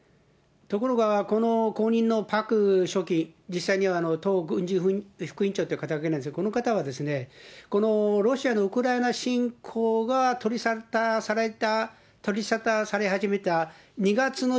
ところがこの後任のパク書記、実際には党軍事副委員長という肩書なんですが、この方はこのロシアのウクライナ侵攻が取り沙汰され始めた２月の